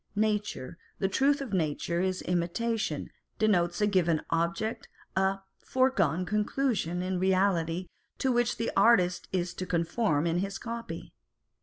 Nature, the truth of nature in imitation, denotes a given object, a " foregone conclusion " in reality, to which the artist is to conform in his copy.